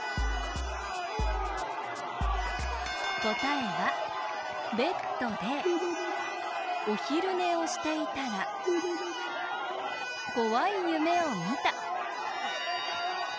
こたえはベッドでおひるねをしていたらこわいゆめをみた。